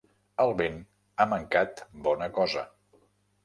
El vent ha mancat bona cosa.